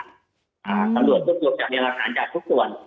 สำรวจจุดยกจากเรียนราคาจากทุกส่วน